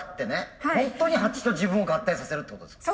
ホントに蜂と自分を合体させるってことですか？